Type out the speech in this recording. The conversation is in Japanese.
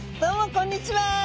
こんにちは。